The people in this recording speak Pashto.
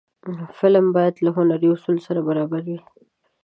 فلم باید له هنري اصولو سره برابر وي